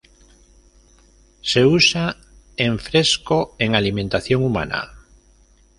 Se usa en fresco en alimentación humana.